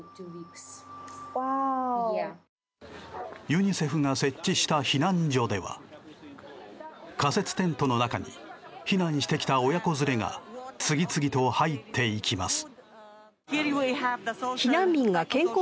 ユニセフが設置した避難所では仮設テントの中に避難してきた親子連れが続々と入っていきます。